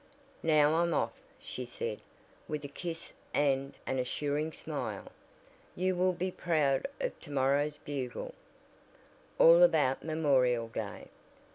"Now I'm off," she said, with a kiss and an assuring smile, "you will be proud of to morrow's Bugle. 'All about Memorial Day!'